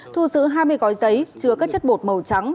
thu giữ hai mươi gói giấy chứa các chất bột màu trắng